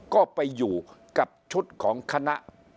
ก็ไปอยู่กับชุดของคณะ